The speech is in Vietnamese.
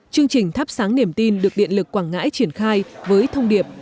chương trình thắp sáng niềm tin được điện lực quảng ngãi triển khai với thông điệp